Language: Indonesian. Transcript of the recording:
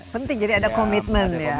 penting jadi ada komitmen